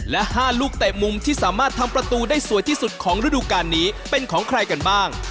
และ๕ลูกเตะมุมที่สามารถทำประตูได้สวยที่สุดของฤดูการนี้เป็นของใครกันบ้าง